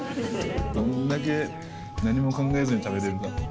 どんだけ何も考えずに食べれるか。